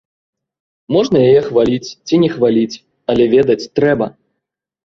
Можна яе хваліць ці не хваліць, але ведаць трэба!